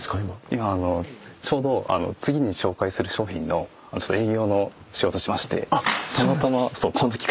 今ちょうど次に紹介する商品の営業の仕事してましてたまたまこんな機会があって。